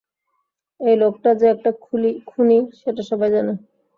এই লোকটা যে একটা খুনি, সেটা সবাই জানে।